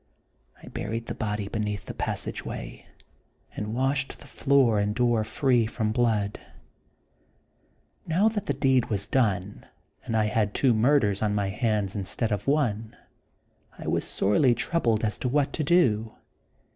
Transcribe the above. I buried the body be neath the passage way, and washed the floor and door free from blood. Now that the deed was done, and I had two murders on my hands instead of one, I was sorely troubled as to what to do.